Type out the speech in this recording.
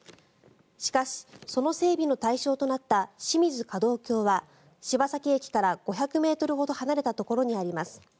しかし、その整備の対象となった清水架道橋は柴崎駅から５００ｍほど離れたところにあります。